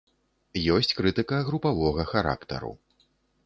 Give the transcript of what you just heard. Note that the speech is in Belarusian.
Ёсць крытыка групавога характару.